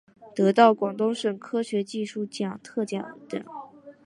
得到广东省科学技术奖特等奖。